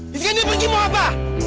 sekarang pergi mau apa